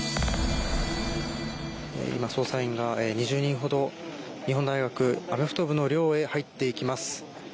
今、捜査員が２０人ほど日本大学アメフト部の寮へ入っていきます。